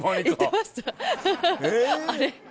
あれ？